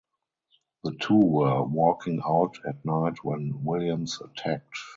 The two were walking out at night when Williams attacked.